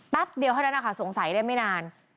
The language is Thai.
เดียวเท่านั้นนะคะสงสัยได้ไม่นาน